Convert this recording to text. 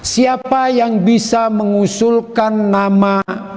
siapa yang bisa mengusulkan nama